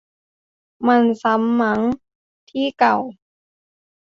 มันซ้ำมั้ง ที่เก่า